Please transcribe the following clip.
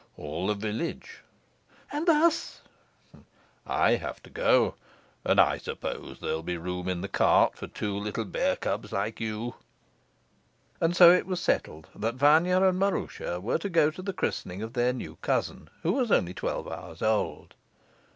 "All the village." "And us?" "I have to go, and I suppose there'll be room in the cart for two little bear cubs like you." And so it was settled that Vanya and Maroosia were to go to the christening of their new cousin, who was only twelve hours old.